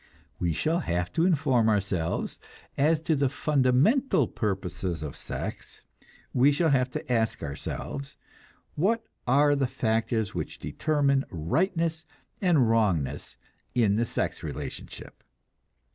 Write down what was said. We shall have to inform ourselves as to the fundamental purposes of sex; we shall have to ask ourselves: What are the factors which determine rightness and wrongness in the sex relationship?